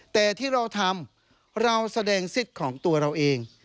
แต่ที่เราทำเราแสดงสิทธิ์ของตัวเราเอง